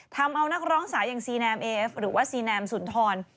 ทำเอานักร้องสาวอย่างซีแนมเอฟหรือว่าซีแนมสุนทร